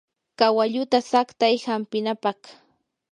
kawalluta saqtay hampinapaq.